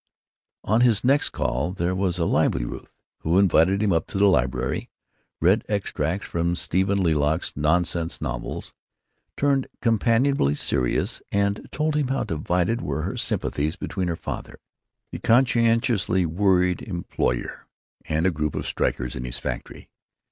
On his next call there was a lively Ruth who invited him up to the library, read extracts from Stephen Leacock's Nonsense Novels; turned companionably serious, and told him how divided were her sympathies between her father—the conscientiously worried employer—and a group of strikers in his factory.